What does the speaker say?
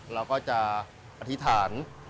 เราก็จะอธิษฐาน